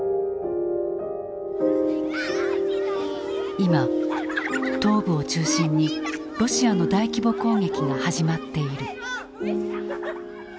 今東部を中心にロシアの大規模攻撃が始まっている。